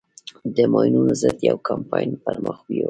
د ماينونو ضد يو کمپاين پر مخ بېوه.